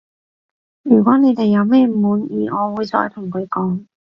如果你哋有咩唔滿意我會再同佢講